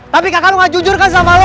tapi kakak lu gak jujur kan sama lo